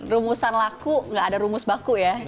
rumusan laku gak ada rumus baku ya